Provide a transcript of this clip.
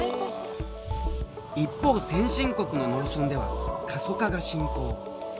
一方先進国の農村では過疎化が進行。